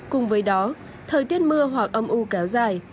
cùng với đó thời tiết mưa hoặc âm u kéo dài